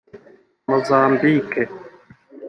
Mozambique